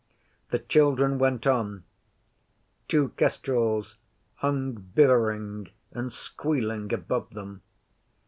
The children went on. Two kestrels hung bivvering and squealing above them.